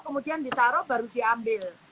kemudian ditaruh baru diambil